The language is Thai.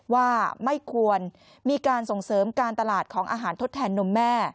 ว่าไม่ควรมีการส่งเสริมการตลาดของอาหารทดแทนนมแม่